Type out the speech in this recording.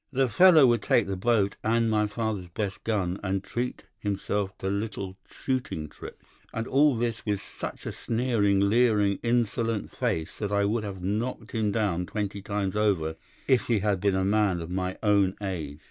The fellow would take the boat and my father's best gun and treat himself to little shooting trips. And all this with such a sneering, leering, insolent face that I would have knocked him down twenty times over if he had been a man of my own age.